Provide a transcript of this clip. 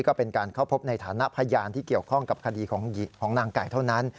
ก็เป็นการเข้าพบในฐานะพยานที่เกี่ยวข้องกับคดีของนางไก่เท่านั้น